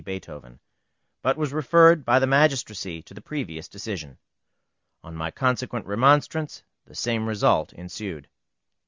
Beethoven, but was referred by the magistracy to the previous decision. On my consequent remonstrance the same result ensued.